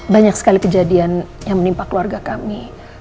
banyak sekali kejadian yang menimpa keluarga kami